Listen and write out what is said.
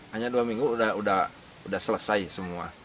hanya dua minggu sudah selesai semua